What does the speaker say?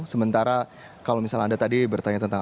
sementara kalau misalnya anda tadi bertanya tentang